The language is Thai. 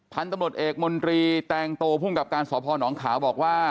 พันธุ์ตำรวจเอกมนตรีแตงโตภูมิกับการสพนขาวบอกว่า